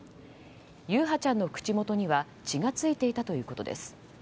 優陽ちゃんの口元には血が付いていたということです。